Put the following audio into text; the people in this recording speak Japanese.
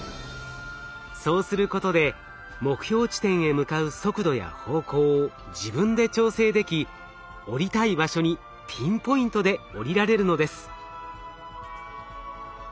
そうすることで目標地点へ向かう速度や方向を自分で調整でき降りたい場所にピンポイントで降りられるのです。